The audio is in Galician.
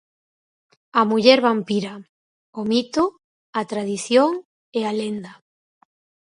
A muller vampira: o mito, a tradición e a lenda.